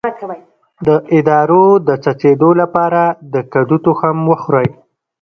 د ادرار د څڅیدو لپاره د کدو تخم وخورئ